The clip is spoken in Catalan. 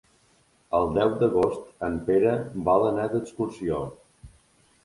El deu d'agost en Pere vol anar d'excursió.